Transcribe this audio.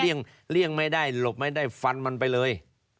เลี่ยงไม่ได้หลบไม่ได้ฟันมันไปเลย